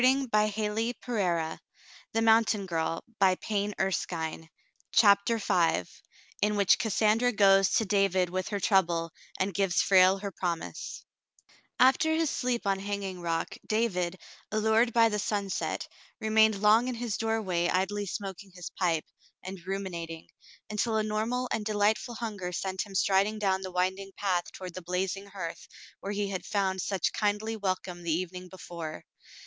Falling on his hurt spirit, it sounded heavenly sweet. CHAPTER V IN WHICH CASSANDRA GOES TO DAVID WITH HER TROUBLE, AND GIVES FRALE HER PROMISE After his sleep on Hanging Rock, David, allured by the sunset, remained long in his doorway idly smoking his pipe, and ruminating, until a normal and delightful hunger sent him striding down the winding path toward the blazing hearth where he had found such kindly welcome the evening before.